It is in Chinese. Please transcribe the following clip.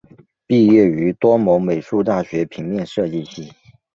毕业于多摩美术大学平面设计系。